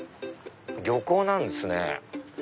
漁港なんですね。